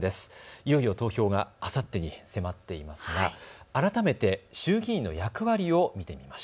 いよいよ投票があさってに迫っていますが改めて衆議院の役割を見てみます。